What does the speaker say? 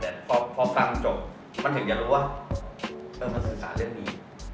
แต่พอฟังจบมันถึงจะรู้ว่ามันศึกษาเรื่องนี้